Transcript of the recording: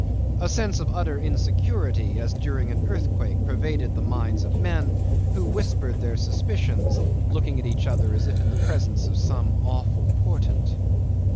A sense of utter insecurity as during an earthquake pervaded the minds of men, who whispered their suspicions, looking at each other as if in the presence of some awful portent.